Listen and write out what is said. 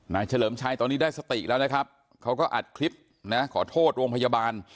เฉลิมชัยตอนนี้ได้สติแล้วนะครับเขาก็อัดคลิปนะขอโทษโรงพยาบาล